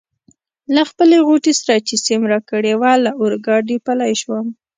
له خپلې غوټې سره چي سیم راکړې وه له اورګاډي پلی شوم.